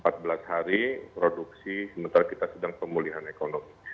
jadi kita harus mencari produksi sementara kita sedang pemulihan ekonomi